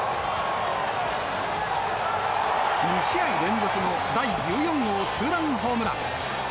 ２試合連続の第１４号ツーランホームラン。